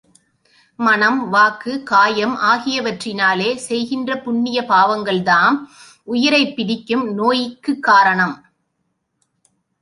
மனம், வாக்கு, காயம் ஆகியவற்றினாலே செய்கின்ற புண்ணிய பாவங்கள்தாம், உயிரைப் பிடிக்கும் நோய்க்குக் காரணம்.